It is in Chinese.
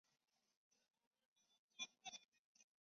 当时这场飓风是墨西哥在近代遭受的最严重的自然灾害。